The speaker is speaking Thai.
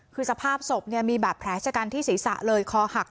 คือสภาพศพเนี่ยมีบาดแผลชะกันที่ศีรษะเลยคอหัก